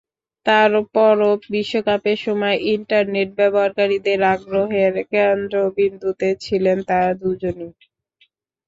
তার পরও বিশ্বকাপের সময় ইন্টারনেট ব্যবহারকারীদের আগ্রহের কেন্দ্রবিন্দুতে ছিলেন তাঁরা দুজনই।